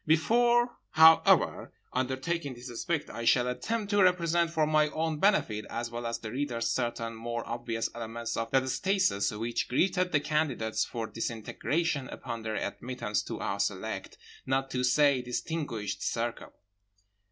Before, however, undertaking this aspect I shall attempt to represent for my own benefit as well as the reader's certain more obvious elements of that stasis which greeted the candidates for disintegration upon their admittance to our select, not to say distinguished, circle.